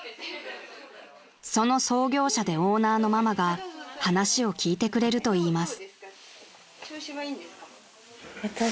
［その創業者でオーナーのママが話を聞いてくれるといいます］